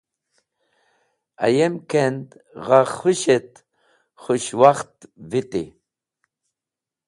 Ayem kend gha khũsh et khũshwakht viti.